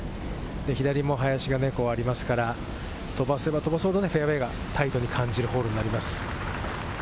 左も林がありますから、飛ばせば飛ばすほど、フェアウエーがタイトに感じるホールになります。